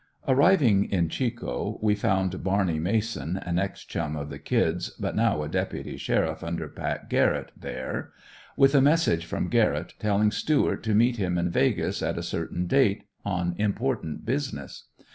Arriving in "Chico" we found Barney Mason, (an ex chum of the "Kid's," but now a deputy sheriff under Pat Garrett) there, with a message from Garrett telling Stuart to meet him in Vegas at a certain date, on important business.